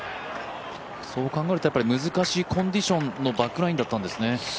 そう考えると、難しいコンディションのバックナインだったんですね。